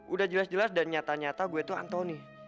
udah jelas jelas dan nyata nyata gue itu antoni